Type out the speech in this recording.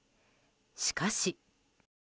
しかし。